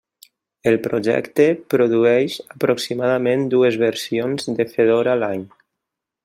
El projecte produeix aproximadament dues versions de Fedora l'any.